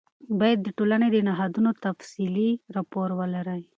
باید د ټولنې د نهادونو تفصیلي راپور ولرئ.